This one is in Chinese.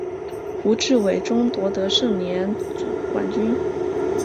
胡志伟中夺得盛年组冠军。